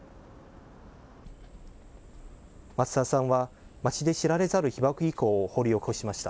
松田さんは街で知られざる被爆遺構を掘り起こしました。